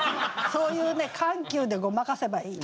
そういう緩急でごまかせばいい。